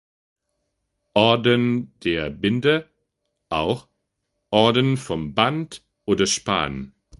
Orden der Binde, auch Orden vom Band oder span.